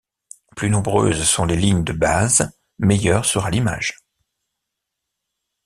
Plus nombreuses sont les lignes de bases, meilleure sera l'image.